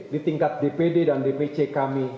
di tingkat dpd dan dpc kami